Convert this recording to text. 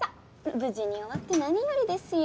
無事に終わって何よりですよ。